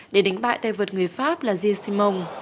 để đánh bại tay vượt người pháp là jean simon